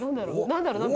何だろう？